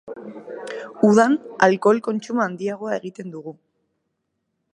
Udan alkohol kontsumo handiagoa egiten dugu.